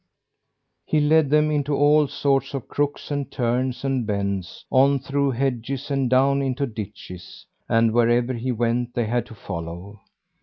He led them into all sorts of crooks and turns and bends on through hedges and down into ditches and wherever he went they had to follow.